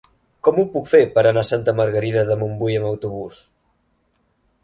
Com ho puc fer per anar a Santa Margarida de Montbui amb autobús?